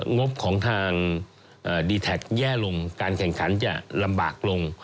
งบของทางดีแท็กแย่ลงการแข่งขันจะลำบากลง